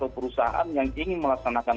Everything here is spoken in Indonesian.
perusahaan yang ingin melaksanakan